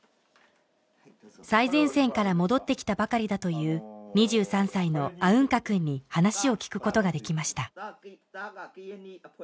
最前線から戻ってきたばかりだという２３歳のアウンカくんに話を聞くことができました